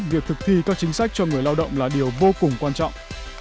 việc thực thi các chính sách cho người lao động là điều vô cùng quan trọng